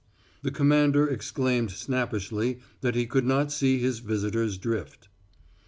The commander exclaimed snappishly that he could not see his visitor's drift.